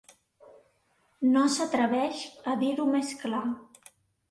No s'atreveix a dir-ho més clar.